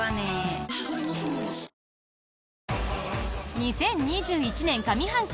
２０２１年上半期